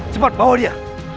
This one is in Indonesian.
cepat bawa dia